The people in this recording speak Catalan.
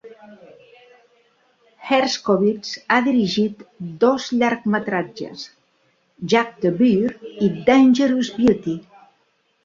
Herskovitz ha dirigit dos llargmetratges, "Jack the Bear" i "Dangerous Beauty".